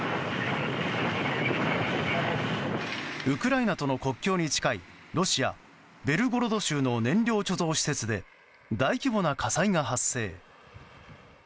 ウクライナとの国境に近いロシア・ベルゴロド州の燃料貯蔵施設で大規模な火災が発生。